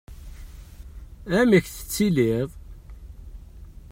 Amek tettiliḍ?